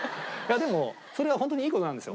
でもそれは本当にいい事なんですよ。